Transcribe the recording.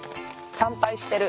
参拝してる。